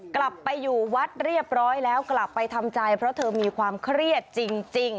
กลับไปอยู่วัดเรียบร้อยแล้วกลับไปทำใจเพราะเธอมีความเครียดจริง